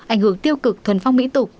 ảnh hưởng tiêu cực thuần phong mỹ tục